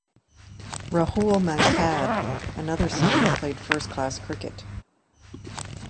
Rahul Mankad, another son, played first-class cricket.